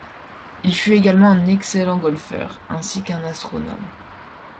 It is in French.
Il fut également un excellent golfeur, ainsi qu'un astronome.